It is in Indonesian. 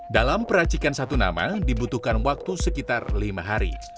dalam peracikan satu nama dibutuhkan waktu sekitar lima hari